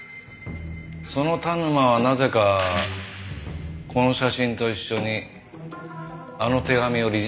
その田沼はなぜかこの写真と一緒にあの手紙を理事長に送りつけた。